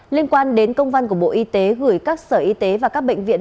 liên quan đến công văn của bộ y tế gửi các sở y tế và các bệnh viện